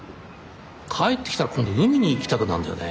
帰ってきたら今度海に行きたくなるんだよね